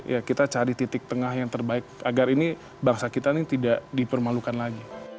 ya kita cari titik tengah yang terbaik agar ini bangsa kita ini tidak dipermalukan lagi